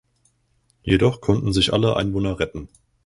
Jedoch konnten sich alle Einwohner retten.